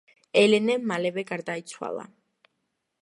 ელენე მალევე გარდაიცვალა.